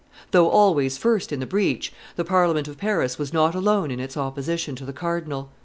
Though always first in the breach, the Parliament of Paris was not alone in its opposition to the cardinal.